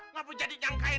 gapapa jadi nyangkain gue lo